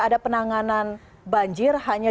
ada penanganan banjir hanya